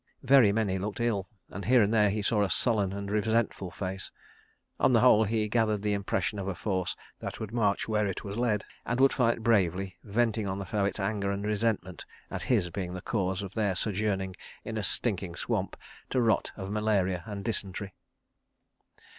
Very many looked ill, and here and there he saw a sullen and resentful face. On the whole, he gathered the impression of a force that would march where it was led and would fight bravely, venting on the foe its anger and resentment at his being the cause of their sojourning in a stinking swamp to rot of malaria and dysentery.